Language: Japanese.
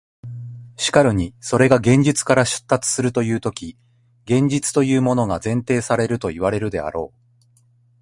しかるにそれが現実から出立するというとき、現実というものが前提されるといわれるであろう。